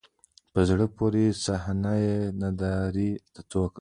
په زړه پوري صحنه یې نندارې ته کوله.